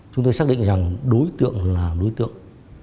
chúng tôi xác định rằng đối tượng là đối tượng